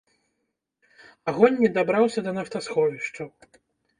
Агонь не дабраўся да нафтасховішчаў.